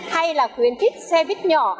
hay là khuyến khích xe buýt nhỏ